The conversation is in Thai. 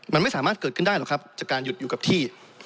มันไม่สามารถเกิดขึ้นได้หรอกครับจากการหยุดอยู่กับที่